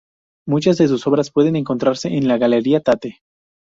Muchas de sus obras pueden encontrarse en la Galería Tate.